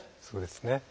そうですね。